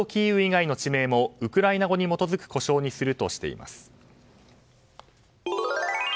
また、首都キーウ以外の地名もウクライナ語に基づく呼称にするとしています。